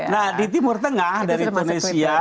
nah di timur tengah dari tunisia